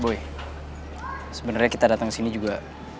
boy sebenarnya kita datang ke sini juga